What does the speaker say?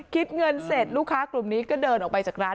คิดเงินเสร็จลูกค้ากลุ่มนี้ก็เดินออกไปจากร้าน